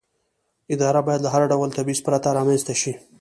اداره باید له هر ډول تبعیض پرته رامنځته شي.